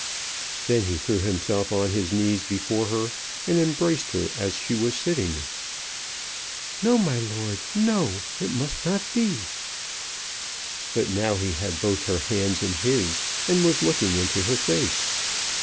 Then he threw himself on his knees before her, and embraced her as she was sitting. "No, my lord; no; it must not be." But now he had both her hands in his, and was looking into her face.